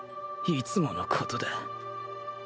いつものことだ